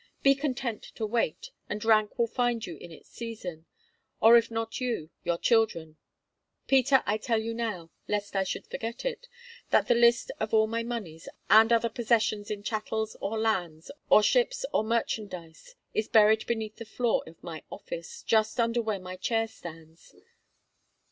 Be content to wait, and rank will find you in its season, or if not you, your children. Peter, I tell you now, lest I should forget it, that the list of all my moneys and other possessions in chattels or lands or ships or merchandise is buried beneath the floor of my office, just under where my chair stands.